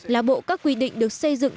là bộ các quy định được xây dựng